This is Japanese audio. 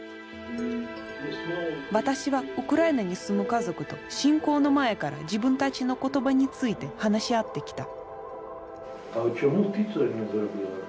私はウクライナに住む家族と侵攻の前から自分たちの言葉について話し合ってきた。